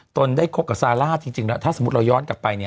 ตนได้คบกับซาร่าจริงถ้าสมมุติเราย้อนกลับไปเนี่ย